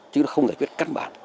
chứ không giải quyết căn bản